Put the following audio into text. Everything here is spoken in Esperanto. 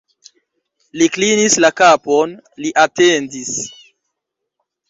Li klinis la kapon, li atendis.